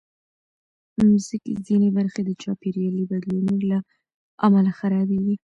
د مځکې ځینې برخې د چاپېریالي بدلونونو له امله خرابېږي.